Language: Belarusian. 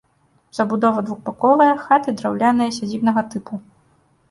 Забудова двухбаковая, хаты драўляныя, сядзібнага тыпу.